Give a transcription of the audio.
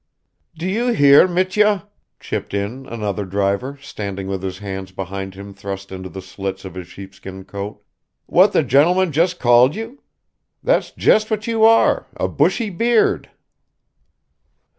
"Do you hear, Mitya," chipped in another driver, standing with his hands behind him thrust into the slits of his sheepskin coat, "what the gentleman just called you? That's just what you are a bushy beard."